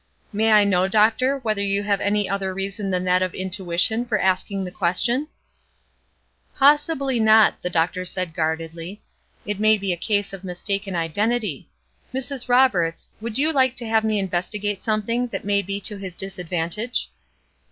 "May I know, doctor, whether you have any other reason than that of intuition for asking the question?" "Possibly not," said the doctor, guardedly. "It maybe a case of mistaken identity. Mrs. Roberts, would you like to have me investigate something that may be to his disadvantage?"